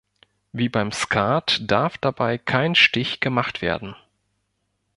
Wie beim Skat darf dabei kein Stich gemacht werden.